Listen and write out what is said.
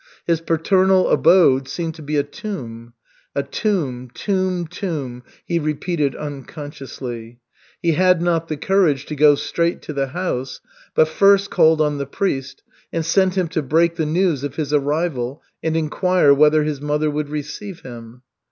His paternal abode seemed to be a tomb. "A tomb, tomb, tomb," he repeated unconsciously. He had not the courage to go straight to the house, but first called on the priest and sent him to break the news of his arrival and inquire whether his mother would receive him.